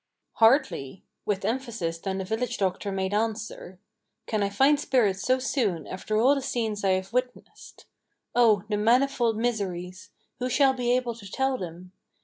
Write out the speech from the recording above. "Hardly," with emphasis then the village doctor made answer, "Can I find spirits so soon after all the scenes I have witnessed. Oh, the manifold miseries! who shall be able to tell them?